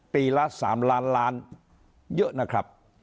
ปีละ๓ล้านล้านเยอะนะครับ